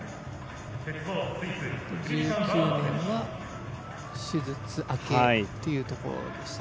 １９年は手術明けというところでした。